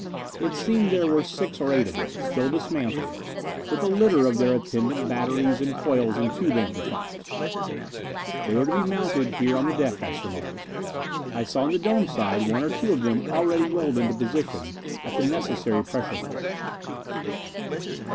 It seemed there were six or eight of them, still dismantled, with a litter of their attendant batteries and coils and tube amplifiers. They were to be mounted here on the deck, I surmised; I saw in the dome side one or two of them already rolled into position at the necessary pressure portes.